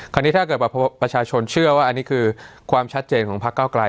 ค่อนนี้ถ้าเกิดประชาชนเชื่อว่าอันนี้คือความชัดเจนของพักเก้ากลาย